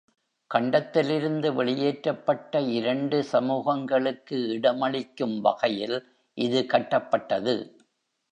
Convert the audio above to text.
கண்டத்திலிருந்து வெளியேற்றப்பட்ட இரண்டு சமூகங்களுக்கு இடமளிக்கும் வகையில் இது கட்டப்பட்டது.